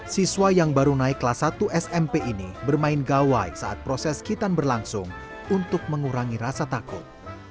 siswa yang baru naik kelas satu smp ini bermain gawai saat proses kita berlangsung untuk mengurangi rasa takut